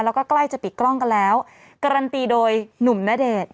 แล้วก็ใกล้จะปิดกล้องกันแล้วการันตีโดยหนุ่มณเดชน์